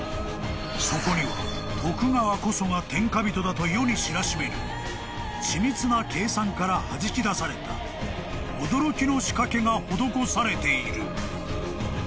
［そこには徳川こそが天下人だと世に知らしめる緻密な計算からはじき出された驚きの仕掛けが施されている］